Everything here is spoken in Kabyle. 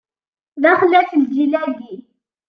D axlaf, lǧil-agi!